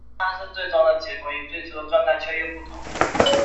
但是最终的结果与最初的状态却又不同。